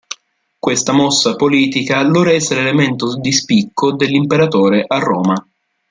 Questa mossa politica lo rese l'elemento di spicco dell'imperatore a Roma.